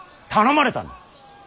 頼まれたんだ。